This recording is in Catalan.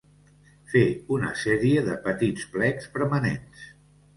Fer una sèrie de petits plecs permanents.